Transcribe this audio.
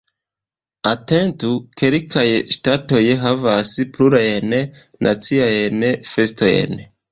Atentu: Kelkaj ŝtatoj havas plurajn naciajn festojn.